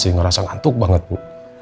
masih ngerasa ngantuk banget bu